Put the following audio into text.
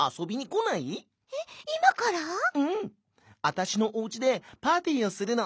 わたしのおうちでパーティーをするの。